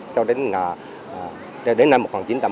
cho đến năm một nghìn chín trăm bảy mươi